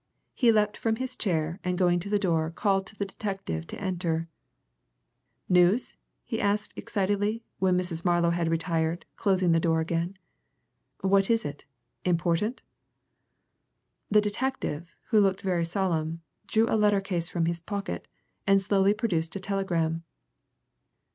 He leapt from his chair, and going to the door called to the detective to enter. "News?" he asked excitedly, when Mrs. Marlow had retired, closing the door again. "What is it important?" The detective, who looked very solemn, drew a letter case from his pocket, and slowly produced a telegram.